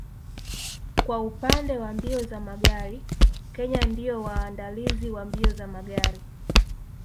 Kwa upande wa mbio za magari Kenya ndio waandalizi wa mbio za magari